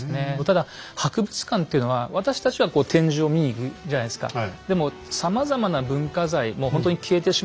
ただ博物館というのは私たちはこう展示を見に行くじゃないですか。